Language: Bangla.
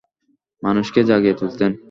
মানুষকে জাগিয়ে তুলতেন।